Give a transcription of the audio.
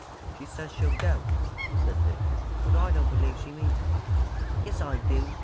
"She says she'll go," said Dick, "but I don't believe she means it." "Yes I do.